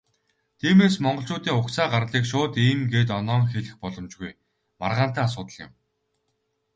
Тиймээс, монголчуудын угсаа гарлыг шууд "ийм" гээд оноон хэлэх боломжгүй, маргаантай асуудал юм.